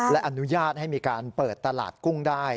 และอนุญาตให้มีการเปิดตลาดกุ้งได้